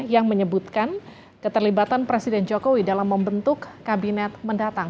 yang menyebutkan keterlibatan presiden jokowi dalam membentuk kabinet mendatang